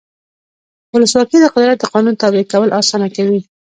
ولسواکي د قدرت د قانون تابع کول اسانه کوي.